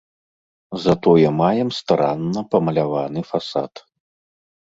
Затое маем старанна памаляваны фасад.